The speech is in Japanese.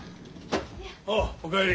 おうお帰り。